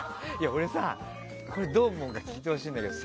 俺さ、これ、どう思うか聞いてほしいんだけど。